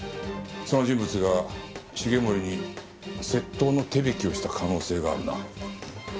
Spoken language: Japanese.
その人物が重森に窃盗の手引きをした可能性があるな。